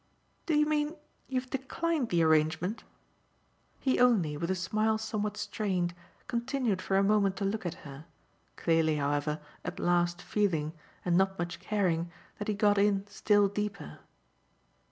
"Do you mean you've declined the arrangement?" He only, with a smile somewhat strained, continued for a moment to look at her; clearly, however, at last feeling, and not much caring, that he got in still deeper.